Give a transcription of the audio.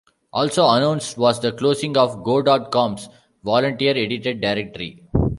Also announced was the closing of Go dot com's volunteer-edited directory.